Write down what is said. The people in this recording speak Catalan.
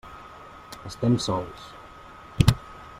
Estem sols.